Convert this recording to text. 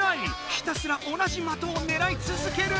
ひたすら同じ的をねらいつづける！